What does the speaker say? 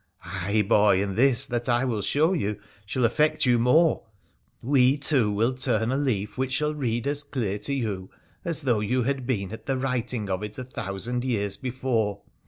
' Ay, boy, and this that I will show you snail affect yoa more — we two will turn a leaf which shall read as clear to you as though you had been at the writing of it a thousand year3 before.